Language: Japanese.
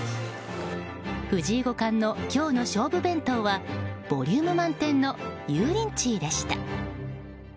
藤井五冠の今日の勝負弁当はボリューム満点のユーリンチーでした。